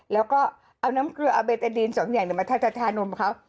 แล้วก็เอาน้ำเกลือเอิเบสเอดีนสองอย่างมาทานมเขา